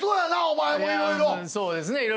そうですね。